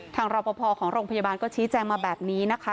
รอปภของโรงพยาบาลก็ชี้แจงมาแบบนี้นะคะ